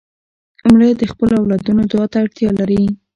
مړه د خپلو اولادونو دعا ته اړتیا لري